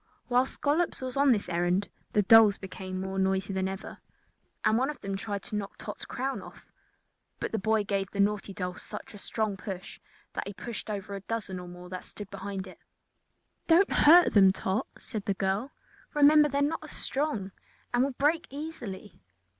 While Scollops was on this errand the dolls became more noisy than ever, and one of them tried to knock Tot's crown off. But the boy gave the naughty doll such a strong push that he pushed over a dozen or more that stood behind it. "Don't hurt them, Tot," said the girl; "remember they are not strong and will break easily."